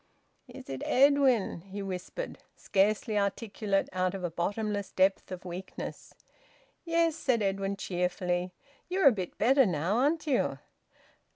"Is it Edwin?" he whispered, scarcely articulate, out of a bottomless depth of weakness. "Yes," said Edwin cheerfully; "you're a bit better now, aren't you?"